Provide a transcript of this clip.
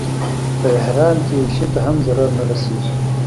په احرام کې یو شي ته هم ضرر نه رسېږي.